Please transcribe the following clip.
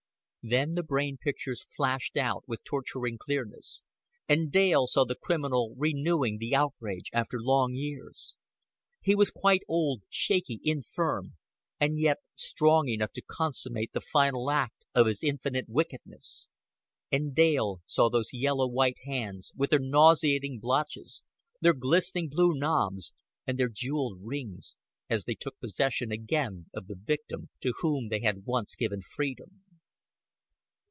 Then the brain pictures flashed out with torturing clearness, and Dale saw the criminal renewing the outrage after long years. He was quite old, shaky, infirm, and yet strong enough to consummate the final act of his infinite wickedness. And Dale saw those yellow white hands, with their nauseating blotches, their glistening blue knobs, and their jeweled rings, as they took possession again of the victim to whom they had once given freedom.